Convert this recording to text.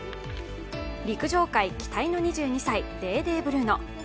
陸上界期待の２２歳、デーデー・ブルーノ。